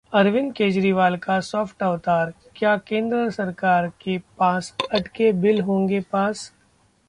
अरविंद केजरीवाल का सॉफ्ट अवतार, क्या केंद्र सरकार के पास अटके बिल होंगे पास?